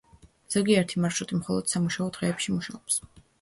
ზოგიერთი მარშრუტი მხოლოდ სამუშაო დღეებში მუშაობს.